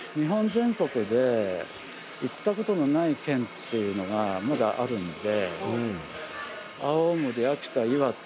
っていうのがまだあるんで。